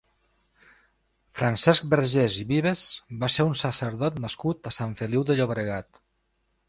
Francesc Vergés i Vives va ser un sacerdot nascut a Sant Feliu de Llobregat.